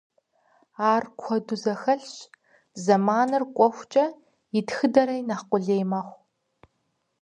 Ар куэду зэхэлъщ, зэманыр кӏуэхукӏэ и тхыдэри нэхъ къулей мэхъу.